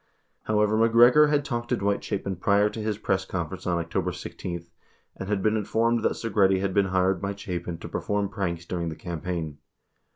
However, MacGregor had talked to Dwight Chapin prior to his press conference on October 16, and had been informed that Segretti had been hired by Chapin to perform pranks during the campaign.